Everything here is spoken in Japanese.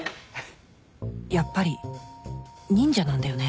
やっぱり忍者なんだよね？